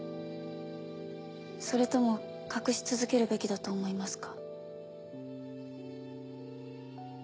それとも隠し続けるべきだと思います